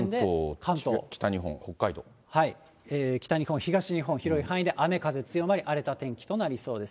関東、北日本、北日本、東日本、広い範囲で雨風強まり、荒れた天気となりそうです。